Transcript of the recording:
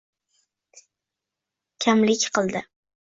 Kamlik qildi